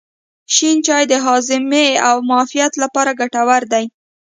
شنه چای د هاضمې او معافیت لپاره ګټور دی.